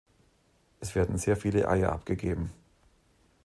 Es werden sehr viele Eier abgegeben.